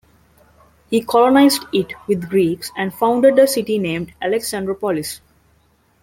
He colonized it with Greeks, and founded a city named Alexandropolis.